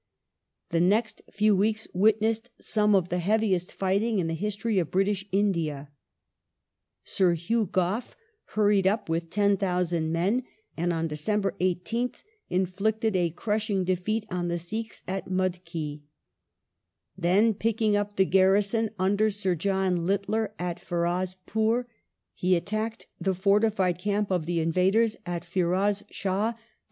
The next few weeks witnessed some of the heaviest ^^(Ts^'b %^^^^S ^"^^^ history of British India. Sir Hugh Gough hurried raon up with 10,000 men, and on December 18th inflicted a crushing defeat on the Sikhs at Mudki. Then, picking up the garrison under Sir John Littler at Firozpur, he attacked the fortified camp of the invaders at Firozshah (Dec.